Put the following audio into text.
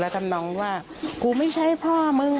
ทำนองว่ากูไม่ใช่พ่อมึง